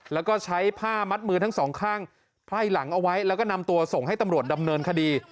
แล้วก็ใช้ผ้ามัดมือทั้งสองข้างไพ่หลังเอาไว้แล้วก็นำตัวส่งให้ตำรวจดำเนินคดี